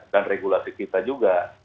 dan regulasi kita juga